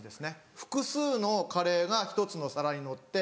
複数のカレーが１つの皿にのって。